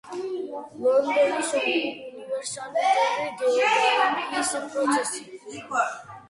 ლონდონის უნივერსიტეტის გეოგრაფიის პროფესორი.